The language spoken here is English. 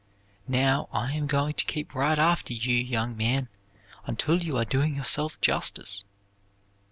Now, I am going to keep right after you, young man, until you are doing yourself justice.